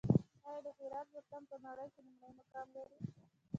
آیا د هرات زعفران په نړۍ کې لومړی مقام لري؟